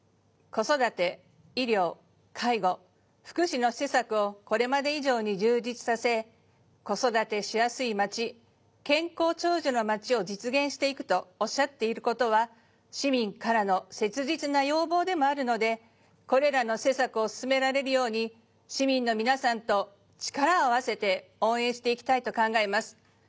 子育て医療介護福祉の施策をこれまで以上に充実させ「子育てしやすい街」「健康長寿の街」を実現していくとおっしゃっている事は市民からの切実な要望でもあるのでこれらの施策を進められるように市民の皆さんと力を合わせて応援していきたいと考えます。